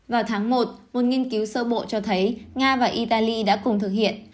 vào tháng một một nghiên cứu sơ bộ cho thấy nga và italy đã cùng thực hiện